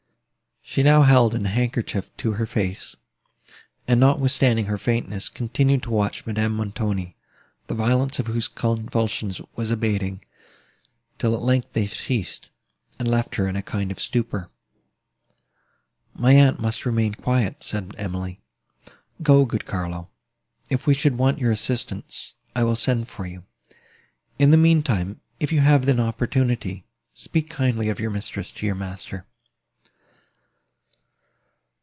She now held a handkerchief to her face, and, notwithstanding her faintness, continued to watch Madame Montoni, the violence of whose convulsions was abating, till at length they ceased, and left her in a kind of stupor. "My aunt must remain quiet," said Emily. "Go, good Carlo; if we should want your assistance, I will send for you. In the mean time, if you have an opportunity, speak kindly of your mistress to your master."